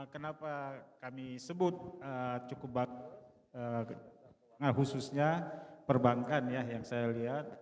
kenapa kami sebut cukup banyak khususnya perbankan ya yang saya lihat